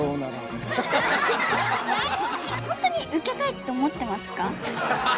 本当にウケたいって思ってますか？